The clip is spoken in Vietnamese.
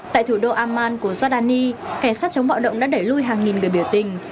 tại thủ đô amman của giordani cảnh sát chống bạo động đã đẩy lui hàng nghìn người biểu tình